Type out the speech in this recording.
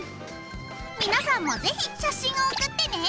皆さんもぜひ写真を送ってね！